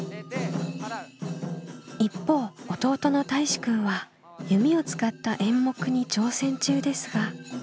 一方弟のたいしくんは弓を使った演目に挑戦中ですが。